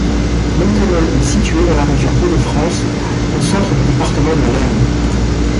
Monthenault est située dans la région Hauts-de-France, au centre du département de l'Aisne.